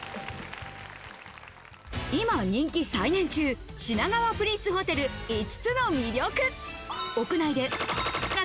今、人気再燃中、品川プリンスホテル５つの魅力。